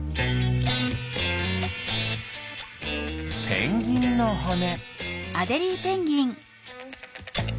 ペンギンのほね。